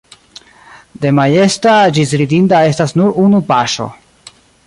De majesta ĝis ridinda estas nur unu paŝo.